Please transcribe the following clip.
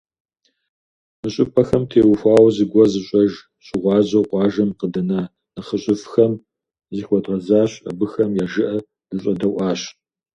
Мы щӏыпӏэхэм теухуауэ зыгуэр зыщӏэж, щыгъуазэу къуажэм къыдэна нэхъыжьыфӏхэм захуэдгъэзащ, абыхэм я жыӏэ дыщӏэдэӏуащ.